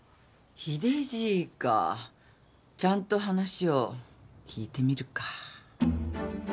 秀じいかちゃんと話を聞いてみるか。